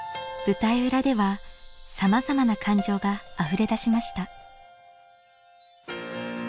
舞台裏ではさまざまな感情があふれ出しました。